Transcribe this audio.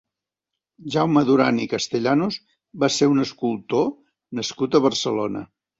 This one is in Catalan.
Jaume Duran i Castellanos va ser un escultor nascut a Barcelona.